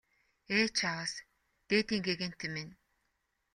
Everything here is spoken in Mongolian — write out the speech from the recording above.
Ээ чааваас дээдийн гэгээнтэн минь!